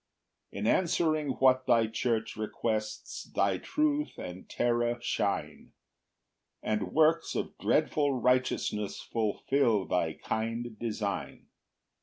4 In answering what thy church requests Thy truth and terror shine, And works of dreadful righteousness Fulfil thy kind design.